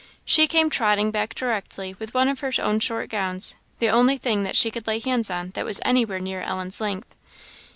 She came trotting back directly with one of her own short gowns, the only thing that she could lay hands on that was anywhere near Ellen's length.